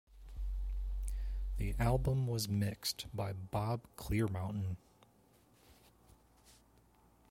The album was mixed by Bob Clearmountain.